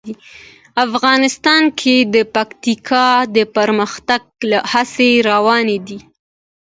افغانستان کې د پکتیکا د پرمختګ هڅې روانې دي.